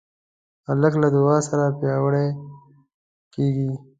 هلک له دعا سره پیاوړی کېږي.